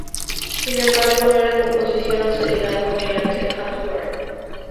Sin embargo no era composición acelerado mediante hardware.